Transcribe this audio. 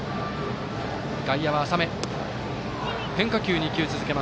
外野は浅め。